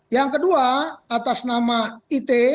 yang kedua atas nama it